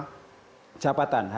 hanya jabatan jabatan tertentu saja